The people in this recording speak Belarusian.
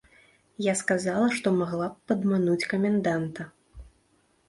Я сказала, што магла б падмануць каменданта.